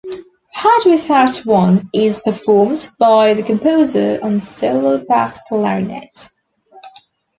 "Hard without I" is performed by the composer on solo bass clarinet.